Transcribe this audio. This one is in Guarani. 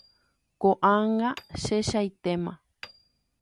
Koʼág̃a chehaitéma”.